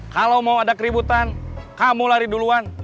kalau mau ada keributan kamu lari duluan